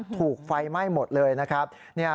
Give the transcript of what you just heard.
ถูกไฟไหม้หมดเลยนะครับ